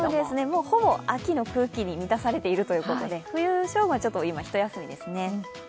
ほぼ秋の空気に満たされているということで冬将軍は今、ひと休みですね。